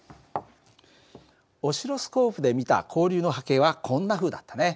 オシロスコープで見た交流の波形はこんなふうだったね。